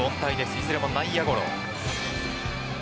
いずれも内野ゴロ。